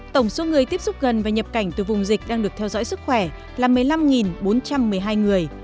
tổng số người tiếp xúc gần và nhập cảnh từ vùng dịch đang được theo dõi sức khỏe là một mươi năm bốn trăm một mươi hai người